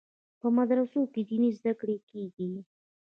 په مدرسو کې دیني زده کړې کیږي.